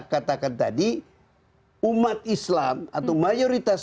katakan tadi umat islam atau mayoritas